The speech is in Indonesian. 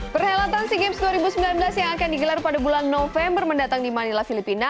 perhelatan sea games dua ribu sembilan belas yang akan digelar pada bulan november mendatang di manila filipina